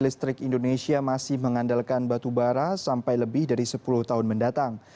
listrik indonesia masih mengandalkan batubara sampai lebih dari sepuluh tahun mendatang